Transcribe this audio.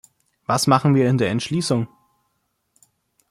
Was machen wir in der Entschließung?